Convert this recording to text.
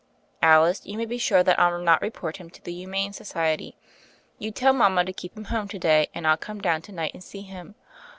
"Alice, you may be sure that I'll not report him to the Humane Society. You tell mama to keep him home to day, and I'll come down to night and see him."